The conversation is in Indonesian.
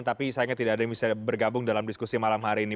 tapi sayangnya tidak ada yang bisa bergabung dalam diskusi malam hari ini